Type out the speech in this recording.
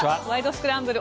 スクランブル」